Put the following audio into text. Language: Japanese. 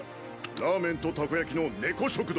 ラーメンとたこ焼きの「猫食堂」